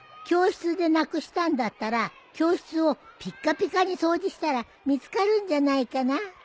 教室でなくしたんだったら教室をピッカピカに掃除したら見つかるんじゃないかな？